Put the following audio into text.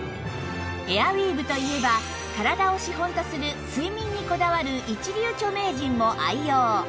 エアウィーヴといえば体を資本とする睡眠にこだわる一流著名人も愛用